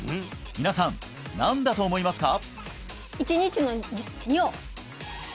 皆さん何だと思いますか？